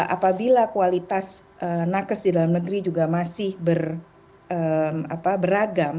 apabila kualitas nakes di dalam negeri juga masih beragam